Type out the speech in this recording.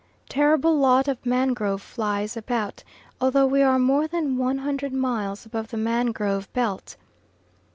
Terrible lot of mangrove flies about, although we are more than one hundred miles above the mangrove belt.